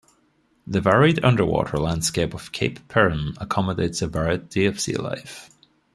The varied underwater landscape of Cape Peron accommodates a variety of sea life.